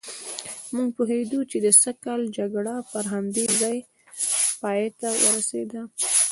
موږ پوهېدو چې د سږ کال جګړه پر همدې ځای پایته ورسېده.